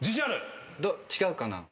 違うかな？